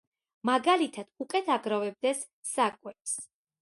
მაგალითად, უკეთ აგროვებდეს საკვებს.